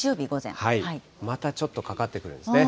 またちょっとかかってくるんですね。